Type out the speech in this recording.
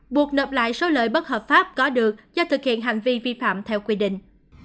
buộc nộp lại số lợi bất hợp pháp có được do thực hiện hành vi vi phạm theo quy định